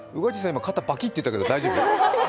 今、肩バキっといったけど、大丈夫？